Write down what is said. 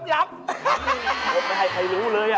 ครบไม่ให้ใครรู้เลยน่ะ